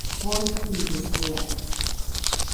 Gijón Industrial.